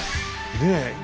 ねえ？